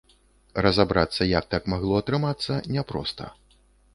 Разабрацца, як так магло атрымацца, няпроста.